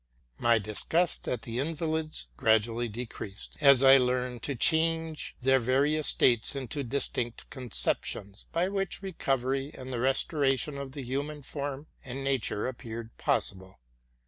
My diszust at the invalids oradually decreased, as I le: dried to change their various states into distinct conceptions, by which recovery and the restoration of the human form and nature appeared possible.